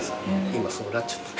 今そうなっちゃった。